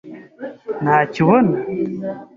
Ntacyo ubona.